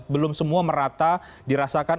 belum semua merata dirasakan